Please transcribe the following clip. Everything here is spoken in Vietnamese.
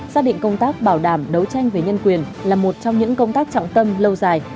xác định công tác bảo đảm đấu tranh về nhân quyền là một trong những công tác trọng tâm lâu dài